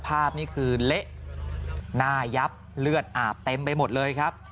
ภาพนี้คือเละหน้ายับเลือดอาบเต็มไปหมดเลยครับ